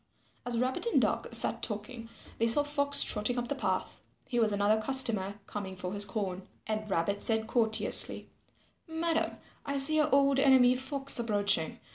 As Rabbit and Duck sat talking, they saw Fox trotting up the path. He was another customer coming for his corn. And Rabbit said courteously, "Madam, I see your old enemy Fox approaching.